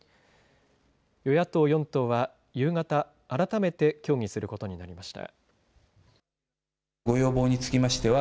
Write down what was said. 与野党４党は夕方、改めて協議することになりました。